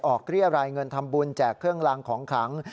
เรียรายเงินทำบุญแจกเครื่องรางของขลัง